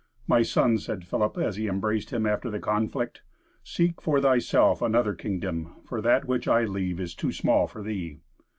"My son," said Philip, as he embraced him after the conflict, "seek for thyself another kingdom, for that which I leave is too small for thee."